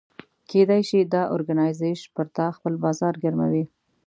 کېدای شي دا اورګنایزیش پر تا خپل بازار ګرموي.